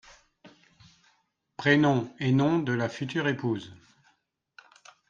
prénoms et nom de la future épouse.